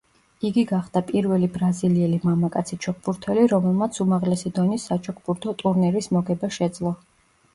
იგი გახდა პირველი ბრაზილიელი მამაკაცი ჩოგბურთელი, რომელმაც უმაღლესი დონის საჩოგბურთო ტურნირის მოგება შეძლო.